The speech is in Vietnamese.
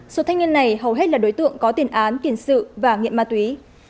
số thanh niên này hầu hết là đối tượng có tiền án tiền sự và nghiện ma túy